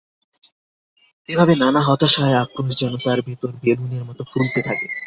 এভাবে নানা হতাশায় আক্রোশ যেন তার ভেতর বেলুনের মতো ফুলতে থাকে।